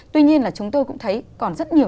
tuy nhiên là chúng tôi cũng thấy còn rất nhiều